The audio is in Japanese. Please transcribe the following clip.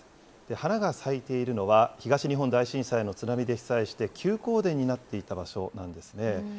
花が咲いているのは、東日本大震災の津波で被災して、休耕田になっていた場所なんですね。